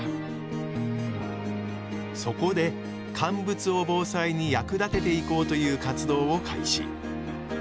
そこで乾物を防災に役立てていこうという活動を開始。